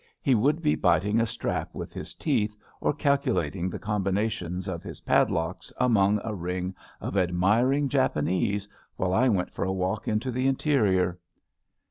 He would be biting a strap with his teeth or calculating the combinations of his padlocks •among a ring of admiring Japanese while I went for a walk into the interior.